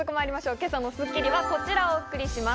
今朝の『スッキリ』はこちらをお送りします。